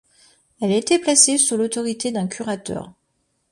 Elle était placée sous l'autorité d'un curateur.